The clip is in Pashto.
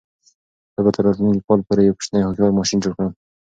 زه به تر راتلونکي کال پورې یو کوچنی هوښیار ماشین جوړ کړم.